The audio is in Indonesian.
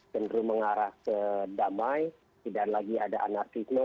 cenderung mengarah ke damai tidak lagi ada anarkisme